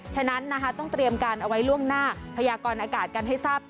ฉะนั้นนะคะต้องเตรียมการเอาไว้ล่วงหน้าพยากรอากาศกันให้ทราบ